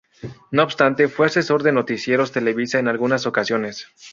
No obstante, fue asesor de Noticieros Televisa en algunas ocasiones.